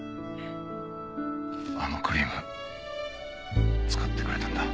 あのクリーム使ってくれたんだ。